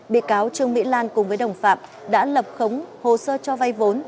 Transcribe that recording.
bị cáo trương mỹ lan cùng với đồng phạm đã lập khống hồ sơ cho vay vốn